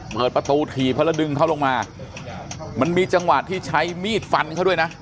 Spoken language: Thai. เปิดประตูถีบเขาแล้วดึงเขาลงมามันมีจังหวะที่ใช้มีดฟันเขาด้วยนะ